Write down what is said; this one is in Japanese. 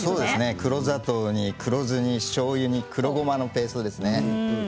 黒砂糖にしょうゆに黒ごまのペーストです。